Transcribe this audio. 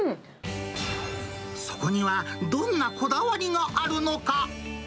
そこには、どんなこだわりがあるのか。